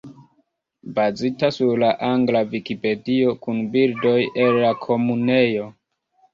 Bazita sur la angla Vikipedio kun bildoj el la Komunejo.